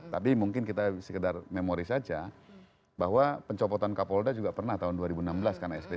tapi mungkin kita sekedar memori saja bahwa pencopotan kapolda juga pernah tahun dua ribu enam belas karena sp tiga